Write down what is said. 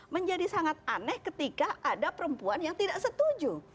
menjadi sangat aneh ketika ada perempuan yang tidak setuju